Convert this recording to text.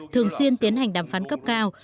thường xuyên tiến hành đàm phán cấp cao